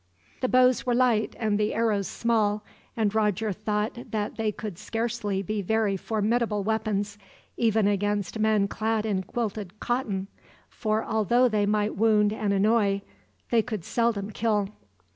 The bows were light and the arrows small, and Roger thought that they could scarcely be very formidable weapons, even against men clad in quilted cotton; for although they might wound and annoy, they could seldom kill.